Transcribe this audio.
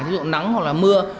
thí dụ nắng hoặc là mưa